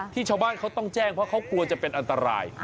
ชาวบ้านเขาต้องแจ้งเพราะเขากลัวจะเป็นอันตราย